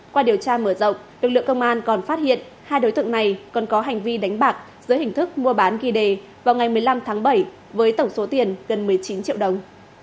qua điều tra mở rộng lực lượng công an còn phát hiện hai đối tượng này còn có hành vi đánh bạc dưới hình thức mua bán ghi đề vào ngày một mươi năm tháng bảy với tổng số tiền gần một mươi chín triệu đồng